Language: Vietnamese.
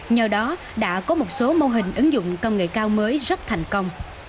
nhờ đó đã có một số mô hình ứng dụng công nghệ cao mới rất thành công